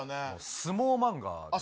相撲漫画？